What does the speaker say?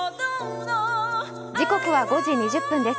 時刻は５時２０分です。